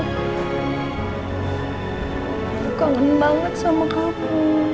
aku kangen banget sama kamu